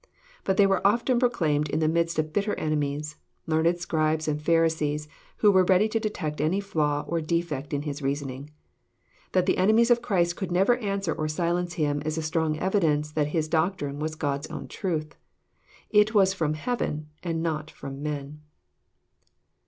But they were often proclaimed in the midst of bitter enemies, learned Scribes and Pharisees, who were ready to detect any flaw or defect in His reasoning. That the enemies of Christ could never answer or silence Him is a strong evidence that His doctrine was God's own truth. It was from heaven and not from men.